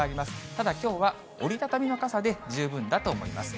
ただ、きょうは折り畳みの傘で十分だと思います。